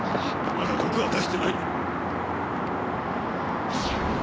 まだ毒は出してないな。